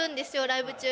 ライブ中。